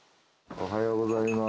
おはようございます。